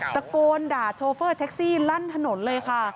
ตะโกนด่าโชเฟอร์แท็กซี่ลั่นถนนเลยค่ะ